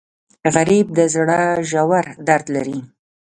غریب د زړه ژور درد لري